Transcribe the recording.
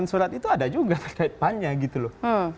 dan surat itu ada juga terdekat pan nya gitu loh